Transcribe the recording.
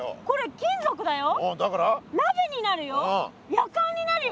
やかんになるよ。